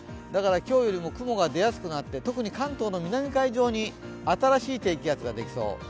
だから今日よりも雲が出やすくなって特に関東の南海上に新しい低気圧ができそう。